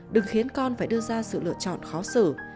đừng khiến con phải đưa ra sự lựa chọn khó xử